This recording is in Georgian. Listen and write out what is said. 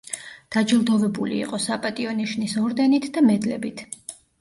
დაჯილდოვებული იყო „საპატიო ნიშნის“ ორდენით და მედლებით.